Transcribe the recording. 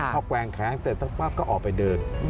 พ่อแกวงแข็งเสร็จแล้วปั๊บก็ออกไปเดิน